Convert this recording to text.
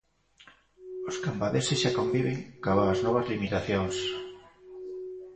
Os cambadeses xa conviven coas novas limitacións.